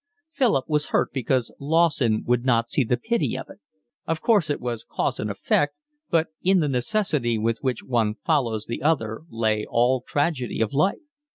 Philip was hurt because Lawson would not see the pity of it. Of course it was cause and effect, but in the necessity with which one follows the other lay all tragedy of life.